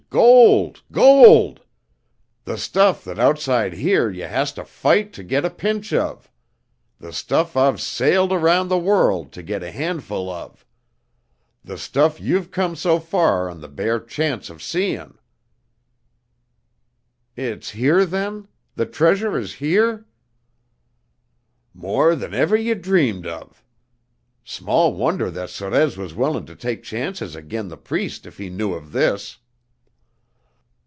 Gold! Gold! The stuff thet outside here yer haster fight ter git a pinch of, the stuff I've sailed aroun' the worl' ter git a handful of; the stuff ye've come so far on the bare chance of seein'." "It's here, then? The treasure is here?" "More than ever ye dreamed of. Small wonder that Sorez was willin' ter take chances agin the Priest if he knew of this."